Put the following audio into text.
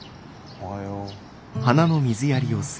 おはよう。